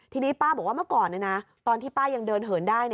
ทีนี้ป้าบอกว่าเมื่อก่อนตอนที่ป้ายังเดินเหินได้